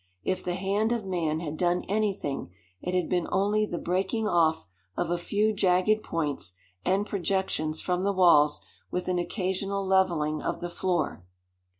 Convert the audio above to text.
If the hand of man had done anything it had been only the breaking off of a few jagged points and projections from the walls, with an occasional leveling of the floor.